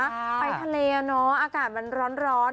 ไปทะเลเนอะอากาศมันร้อน